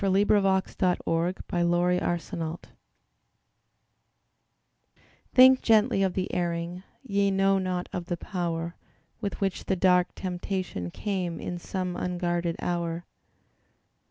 Julia Carney Think Gently of the Erring THINK gently of the erring: Ye know not of the power With which the dark temptation came In some unguarded hour.